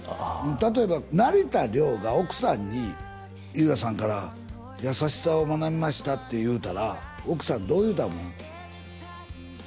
たとえば成田凌が奥さんに井浦さんから優しさを学びましたって言うたら奥さんどう言うた思う？